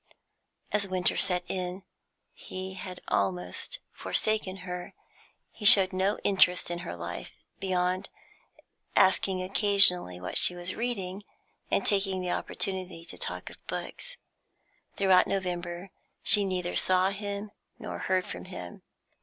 As winter set in, he had almost forsaken her. He showed no interest in her life, beyond asking occasionally what she was reading, and taking the opportunity to talk of books. Throughout November she neither saw him nor heard from him.